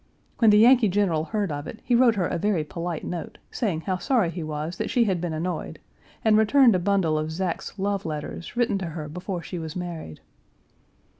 When the Yankee general heard of it he wrote her a very polite note, saying how sorry he was that she had been annoyed, and returned a bundle of Zack's love letters, written to her before she was married.